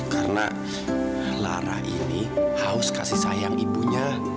karena lara ini haus kasih sayang ibunya